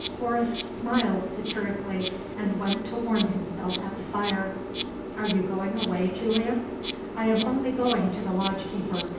Horace smiled satirically, and went to warm himself at the fire. "Are you going away, Julian?" "I am only going to the lodge keeper.